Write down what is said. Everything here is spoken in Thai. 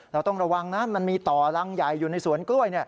เราต้องระวังนะมันมีต่อรังใหญ่อยู่ในสวนกล้วย